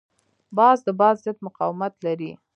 باز د باد ضد مقاومت لري